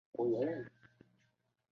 先秦史专家。